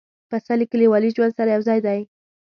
پسه له کلیوالي ژوند سره یو ځای دی.